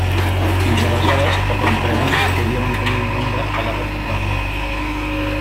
Fins aleshores cap empresa podia mantenir un nombre elevat de treballadors.